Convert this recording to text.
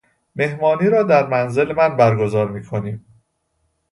مهمانی را در منزل من برگزار میکنیم.